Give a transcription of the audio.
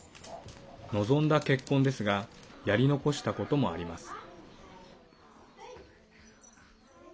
望んだ結婚ですがやり残したこともあります。